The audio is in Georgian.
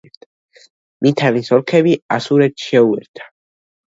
მითანის ოლქები ასურეთს შეუერთა.